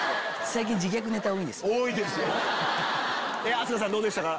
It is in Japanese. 飛鳥さんどうでしたか？